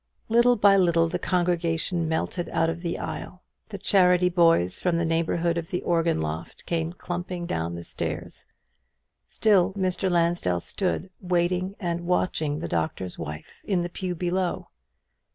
Little by little the congregation melted out of the aisle. The charity boys from the neighbourhood of the organ loft came clumping down the stairs. Still Mr. Lansdell stood waiting and watching the Doctor's Wife in the pew below.